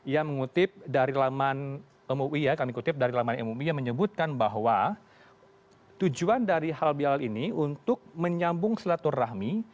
yang mengutip dari laman mui yang menyebutkan bahwa tujuan dari halal bialal ini untuk menyambung selaturrahmi